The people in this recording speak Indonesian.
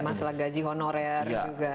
masalah gaji honorer juga